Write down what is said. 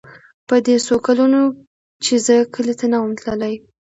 په دې څو کلونو چې زه کلي ته نه وم تللى.